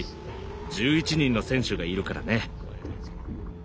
１１人の選手がいるからね。